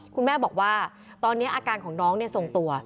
คุณแม่บอกว่าตอนนี้อาการของน้องทรงตัว